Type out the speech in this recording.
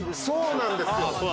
そうなんですよ。